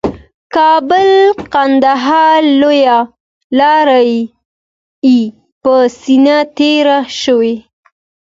کابل قندهار لویه لاره یې په سینه تېره شوې